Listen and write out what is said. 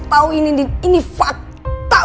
tau ini andin ini fakta